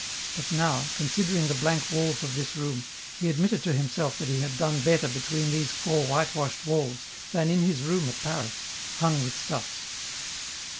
But now, considering the blank walls of this room, he admitted to himself that he had done better between these four white washed walls than in his room at Paris, hung with stuffs.